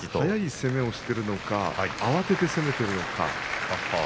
速い攻めをしているのか慌てて攻めているのか